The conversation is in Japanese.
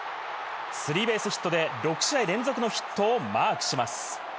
スリーベースヒットで６試合連続のヒットをマークします。